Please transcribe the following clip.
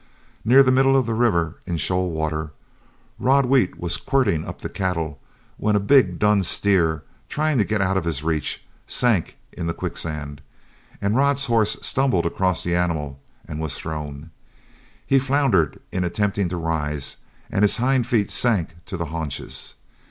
Near the middle of the river, in shoal water, Rod Wheat was quirting up the cattle, when a big dun steer, trying to get out of his reach, sank in the quicksand, and Rod's horse stumbled across the animal and was thrown. He floundered in attempting to rise, and his hind feet sank to the haunches.